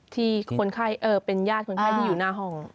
ที่เป็นญาติคนไข้ที่อยู่หน้าห้อง